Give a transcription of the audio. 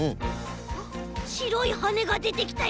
あっしろいはねがでてきたよ！